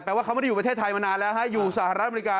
ว่าเขาไม่ได้อยู่ประเทศไทยมานานแล้วฮะอยู่สหรัฐอเมริกา